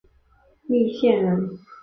密县人。